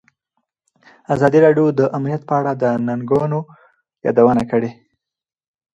ازادي راډیو د امنیت په اړه د ننګونو یادونه کړې.